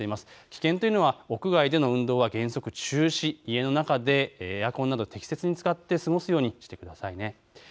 危険というのは屋外での運動は原則中止、家の中でエアコンなど適切に使って過ごすようにしてください。